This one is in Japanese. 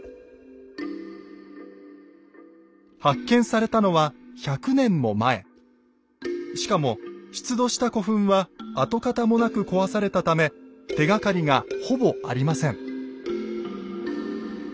それはこの埴輪がしかも出土した古墳は跡形もなく壊されたため手がかりがほぼありません。